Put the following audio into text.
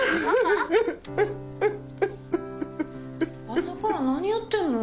・朝から何やってんの？